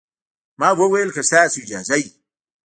ما وويل که ستاسو اجازه وي.